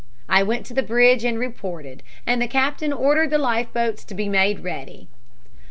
I went to the bridge and reported, and the captain ordered the life boats to be made ready."